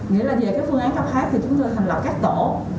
nghĩa là về cái phương án cấp khác thì chúng tôi thành lập các tổ